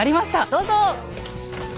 どうぞ！